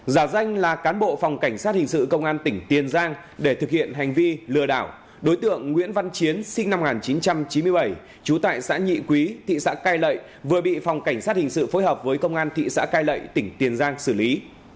giả danh là cán bộ phòng cảnh sát hình sự công an tỉnh tiền giang để thực hiện hành vi lừa đảo đối tượng nguyễn văn chiến sinh năm một nghìn chín trăm chín mươi bảy trú tại xã nhị quý thị xã cai lậy vừa bị phòng cảnh sát hình sự phối hợp với công an thị xã cai lậy tỉnh tiền giang xử lý